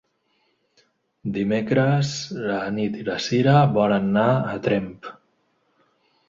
Dimecres na Nit i na Sira volen anar a Tremp.